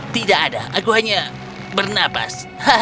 tidak ada aku hanya bernapas